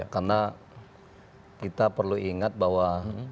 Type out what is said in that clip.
karena kita perlu ingat bahwa